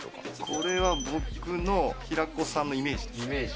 これは僕の平子さんのイメージです。